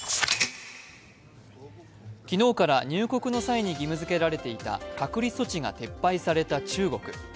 昨日から入国の際に義務付けられていた隔離措置が撤廃された中国。